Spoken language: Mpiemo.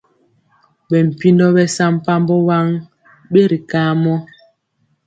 Bɛ mpindo besampabó waŋ bɛri kamɔ.